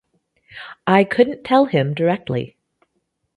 I couldn't tell him directly.